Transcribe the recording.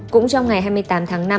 cũng trong ngày hai mươi tám tháng năm